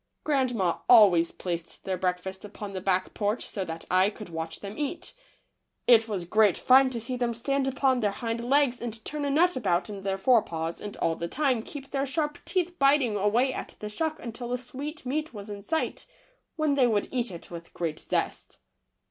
Grandma always placed their breakfast upon the back porch so that I could watch them eat. It was great fun to see them stand upon their hind legs and turn a nut about in their forepaws and all the time keep their sharp teeth biting away at the shuck until the sweet meat was in sight, when they would eat it with great zest.